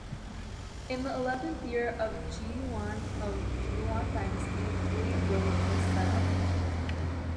In the eleventh year of Zhi Yuan of Yuan Dynasty, Wuding Road was set up.